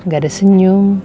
gak ada senyum